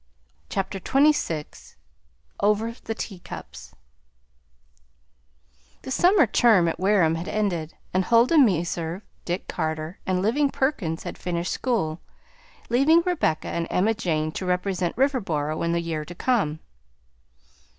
Rebecca Rowena Randall XXVI "OVER THE TEACUPS" The summer term at Wareham had ended, and Huldah Meserve, Dick Carter, and Living Perkins had finished school, leaving Rebecca and Emma Jane to represent Riverboro in the year to come.